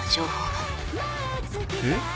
えっ？